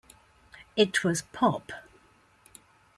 It was pop.